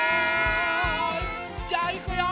じゃあいくよ。